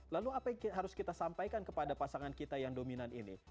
lalu apa yang harus kita sampaikan kepada pasangan kita yang dominan ini